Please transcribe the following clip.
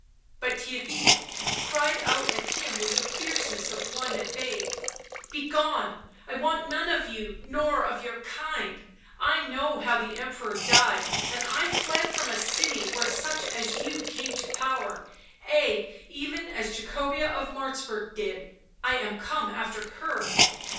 But Theirry cried out at him with the fierceness of one at bay: " Begone, I want none of you nor of yeur kind ; I know how the Emperor died, and I fled from a city where such as you come to power, ay, even as Jacobea of Martzburg did — I am come after her."